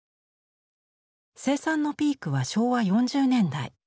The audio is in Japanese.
生産のピークは昭和４０年代。